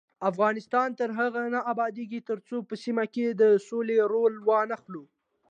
افغانستان تر هغو نه ابادیږي، ترڅو په سیمه کې د سولې رول وانخلو.